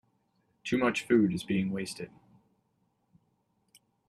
Too much food is being wasted.